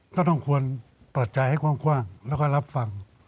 ก็ต้องควรเปิดใจให้กว้างแล้วก็รับฟัง